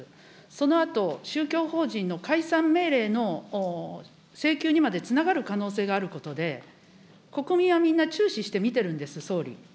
そのあと、宗教法人の解散命令の請求にまでつながる可能性があることで、国民はみんな注視して見てるんです、総理。